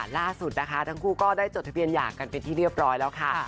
ล่าสุดนะคะทั้งคู่ก็ได้จดทะเบียนหย่ากันเป็นที่เรียบร้อยแล้วค่ะ